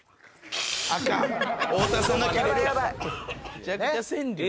めちゃくちゃ川柳や。